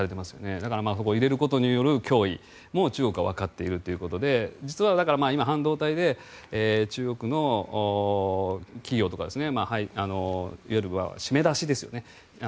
だからそれを入れることによる脅威も中国はわかっているということで実は今、半導体で中国の企業とかいわゆる締め出しですよね